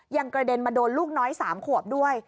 กระเด็นมาโดนลูกน้อย๓ขวบด้วย